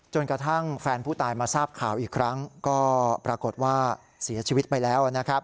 จนกระทั่งแฟนผู้ตายมาทราบข่าวอีกครั้งก็ปรากฏว่าเสียชีวิตไปแล้วนะครับ